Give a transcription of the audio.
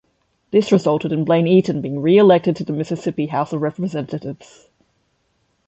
This resulted in Blaine Eaton being re-elected to the Mississippi House of Representatives.